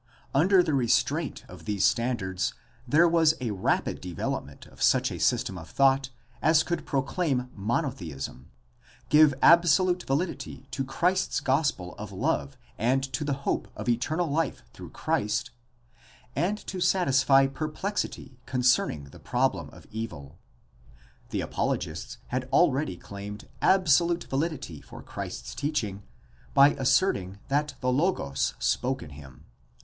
Under the restraint of these standards there was a rapid development of such a system of thought as could proclaim monotheism, give absolute validity to Christ's gospel of love and to the hope of eternal life through Christ, and also satisfy perplexity concerning the problem of evil. The apologists had already claimed absolute validity for Christ's teaching by asserting that the Logos spoke in him.